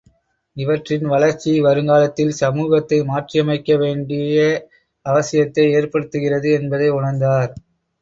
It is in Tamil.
இவற்றின் வளர்ச்சி, வருங்காலத்தில் சமூகத்தை மாற்றியமைக்க வேண்டிய அவசியத்தை ஏற்படுத்துகிறது என்பதை உணர்ந்தார்.